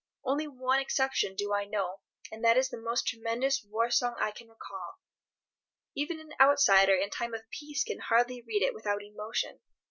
Only one exception do I know, and that is the most tremendous war song I can recall. Even an outsider in time of peace can hardly read it without emotion.